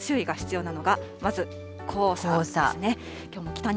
きょう、注意が必要なのが、まず黄砂ですね。